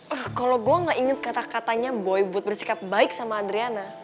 eh kalo gue gak inget kata katanya boy buat bersikap baik sama adriana